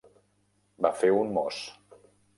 Va fer un mos.